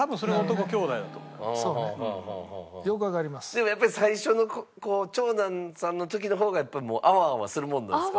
でもやっぱり最初の長男さんの時の方があわあわするもんなんですか？